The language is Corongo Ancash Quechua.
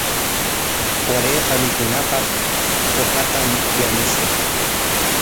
Warayqa mikunapaq uqatam yanushun.